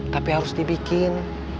tapi harus dibikin